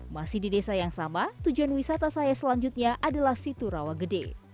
masih di desa yang sama tujuan wisata saya selanjutnya adalah situ rawa gede